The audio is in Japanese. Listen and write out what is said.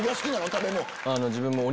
食べ物。